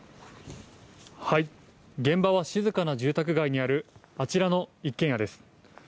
現場は静かな住宅街にある、あちらの一軒家です。